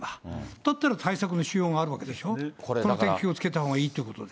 だったら対策のしようがあるわけでしょ、この点、気をつけたほうがいいということで。